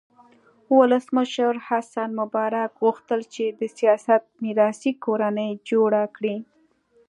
ولسمشر حسن مبارک غوښتل چې د سیاست میراثي کورنۍ جوړه کړي.